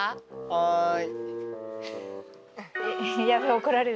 はい。